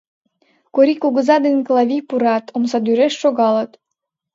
Корий кугыза ден Клавий пурат, омсадӱреш шогалыт.